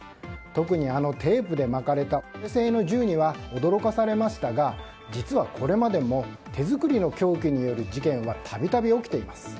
特に、あのテープで巻かれた手製の銃には驚かされましたが実はこれまでも手作りの凶器による事件は度々、起きています。